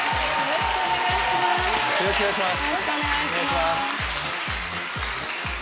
よろしくお願いします。